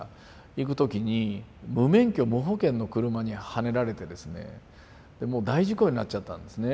行く時に無免許無保険の車にはねられてですねもう大事故になっちゃったんですね。